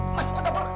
masuk ke dapur